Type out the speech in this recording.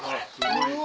うわ！